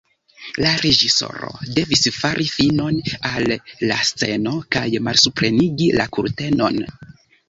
La reĝisoro devis fari finon al la sceno kaj malsuprenigi la kurtenon.